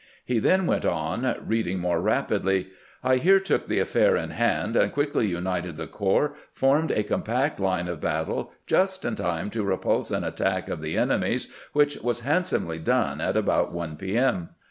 He then went on, reading more rapidly :"' I here took the affair in hand, and quickly united the corps, formed a compact line of battle just in time to repulse an attack of the enemy's, which was handsomely done at about 1 p. M.